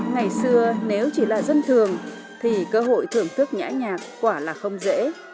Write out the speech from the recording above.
ngày xưa nếu chỉ là dân thường thì cơ hội thưởng thức nhã nhạc quả là không dễ